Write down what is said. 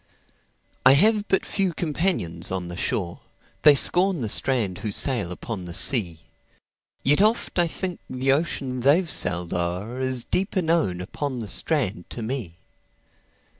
I have but few companions on the shore:They scorn the strand who sail upon the sea; Yet oft I think the ocean they've sailed o'erIs deeper known upon the strand to me.